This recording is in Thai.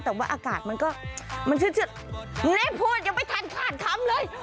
แต่ว่าอากาศมันก็มันชืดเละพูดยังไม่ทันขาดคำเลย